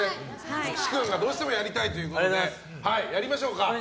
岸君がどうしてもやりたいということでやりましょうか。